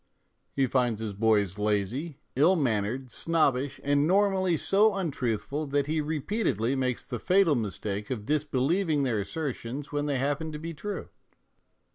He finds his boys lazy, ill mannered, snobbish, and normally so untruthful that he repeatedly makes the fatal mistake of disbelieving their assertions when they happen to be true.